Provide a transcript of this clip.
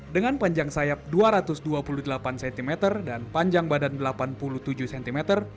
dengan panjang sayap dua ratus dua puluh delapan cm dan panjang badan delapan puluh tujuh cm